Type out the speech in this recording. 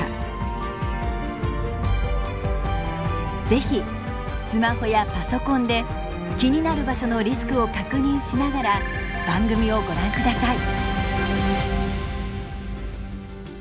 是非スマホやパソコンで気になる場所のリスクを確認しながら番組をご覧ください。